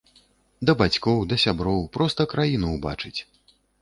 Да бацькоў, да сяброў, проста краіну ўбачыць.